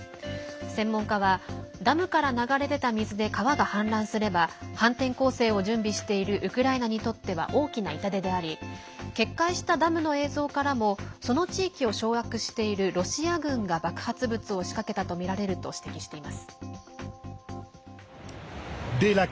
専門家は、ダムから流れ出た水で川が氾濫すれば反転攻勢を準備しているウクライナにとっては大きな痛手であり決壊したダムの映像からもその地域を掌握しているロシア軍が爆発物を仕掛けたとみられると指摘しています。